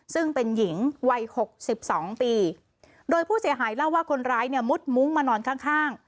ซึ่งเป็นหญิงวัยหกสิบสองปีโดยผู้เสียหายเล่าว่าคนร้ายเนี่ยมุดมุ้งมานอนข้างข้าง